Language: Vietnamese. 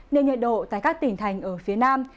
nên nhiệt độ tại các tỉnh thành ở phía nam